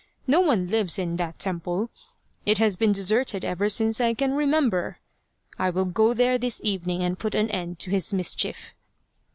No one lives in that temple. It has been deserted ever since I can remember. I will go there this evening and put an end to his mischief."